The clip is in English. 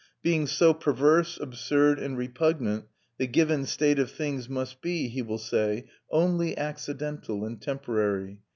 Being so perverse, absurd, and repugnant, the given state of things must be, he will say, only accidental and temporary.